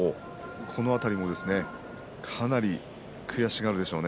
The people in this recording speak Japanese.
この辺りもかなり悔しがるでしょうね。